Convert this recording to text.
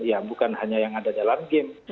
ya bukan hanya yang ada dalam game